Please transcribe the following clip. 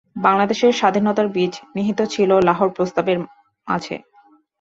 বাংলাদেশের স্বাধীনতার বীজ নিহিত ছিলো লাহোর প্রস্তাবের মাঝে।